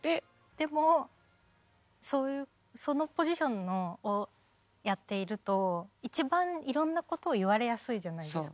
でもそういうそのポジションをやっていると一番いろんなことを言われやすいじゃないですか。